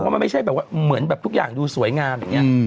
มันไม่ใช่แบบทุกอย่างดูสวยงาม